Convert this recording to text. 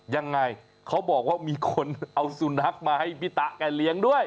ยังไงเขาบอกว่ามีคนเอาสุนัขมาให้พี่ตะแกเลี้ยงด้วย